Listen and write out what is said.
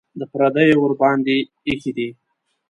د پردیو ورباندې ایښي دي.